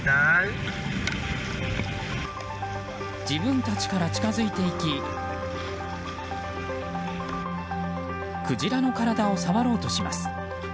自分たちから近付いていきクジラの体を触ろうとします。